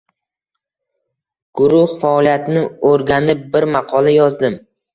Gurux faoliyatini oʻrganib bir maqola yozdim.